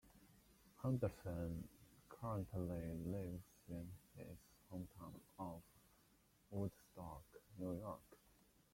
Henderson currently lives in his hometown of Woodstock, New York.